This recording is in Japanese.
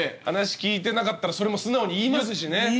話聞いてなかったらそれも素直に言いますしね。